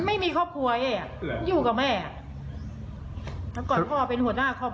ไม่รู้ครับก่อนที่เขาจะเป็นสอสอครับ